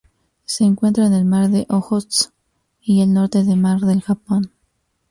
Se encuentra en el Mar de Ojotsk y el norte del Mar del Japón.